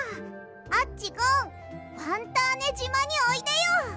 アッチゴンファンターネじまにおいでよ！